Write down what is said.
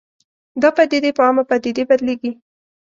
دا پدیدې په عامه پدیده بدلېږي